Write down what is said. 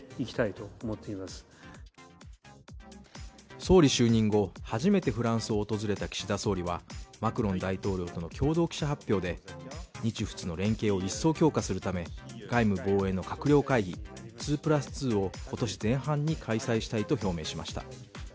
総理就任後、初めてフランスを訪れた岸田総理はマクロン大統領との共同記者会見で日仏連携を一層強化するため外務、防衛の閣僚会議２＋２を今年前半に開催したいと表明しました。